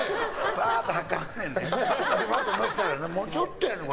ふぁっと載せたらもう、ちょっとやねん。